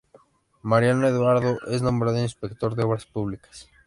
Mariano Eduardo es nombrado inspector de obras Públicas.